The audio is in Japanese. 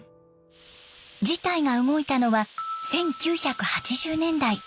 事態が動いたのは１９８０年代。